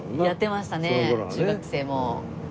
やってましたね中学生もう。